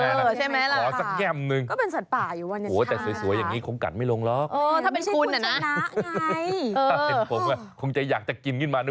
ใช่ไหมล่ะคะขอสักแก้มหนึ่งโอ้โฮแต่สวยอย่างนี้คงกัดไม่ลงหรอก